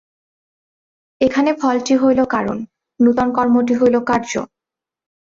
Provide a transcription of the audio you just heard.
এখানে ফলটি হইল কারণ, নূতন কর্মটি হইল কার্য।